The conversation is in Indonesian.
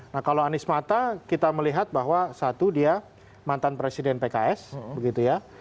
nah kalau anies mata kita melihat bahwa satu dia mantan presiden pks begitu ya